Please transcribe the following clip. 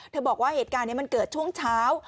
บอกว่าเหตุการณ์นี้มันเกิดช่วงเช้า